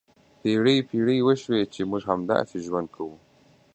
پېړۍ پېړۍ وشوې چې موږ همداسې ژوند کوو.